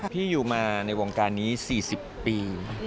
พี่อยู่มาในวงการนี้๔๐ปี